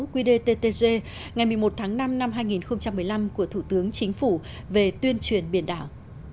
sáu một sáu quy đề ttg ngày một mươi một tháng năm năm hai nghìn một mươi năm của thủ tướng chính phủ về tuyên truyền biển đảo